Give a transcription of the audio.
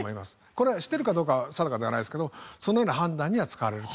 これしてるかどうかは定かではないですけどそのような判断には使われると。